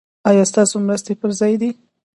ایا ستاسو مرستې پر ځای دي؟